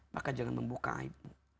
maka jangan membuka aib aib